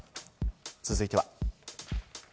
続いては。